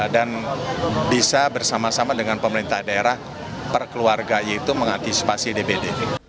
dan bisa bersama sama dengan pemerintah daerah perkeluarga yaitu mengantisipasi dbd